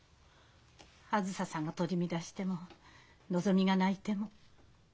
あづささんが取り乱してものぞみが泣いても。